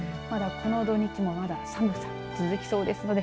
まだ、この土日もまだ寒さが続きそうです。